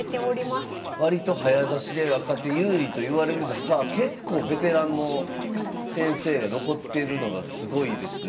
これだから割と早指しで若手有利といわれる中結構ベテランの先生が残ってるのがすごいですね。